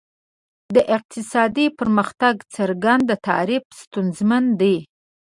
د اقتصادي پرمختیا څرګند تعریف ستونزمن دی.